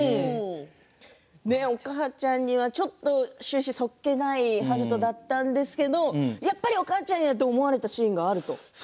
お母ちゃんにはちょっと終始、そっけない悠人だったんですけれどもやっぱりお母ちゃんやと思われたシーンがあると。